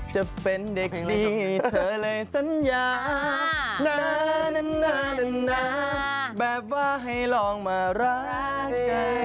จะเป็นเด็กดีเธอเลยสัญญาณแบบว่าให้ลองมารักกัน